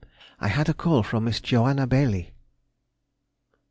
_—I had a call from Miss Joanna Baillie.